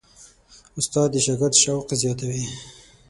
استاد د شاګرد شوق زیاتوي.